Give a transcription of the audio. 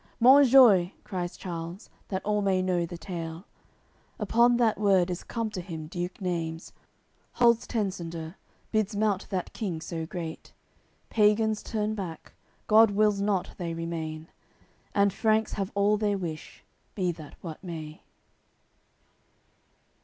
"Monjoie," cries Charles, that all may know the tale. Upon that word is come to him Duke Naimes, Holds Tencendur, bids mount that King so Great. Pagans turn back, God wills not they remain. And Franks have all their wish, be that what may.